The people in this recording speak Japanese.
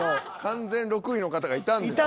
完全６位の方がいたんですね。